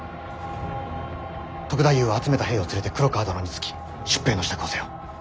篤太夫は集めた兵を連れて黒川殿につき出兵の支度をせよ。